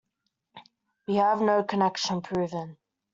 We have no connection proven.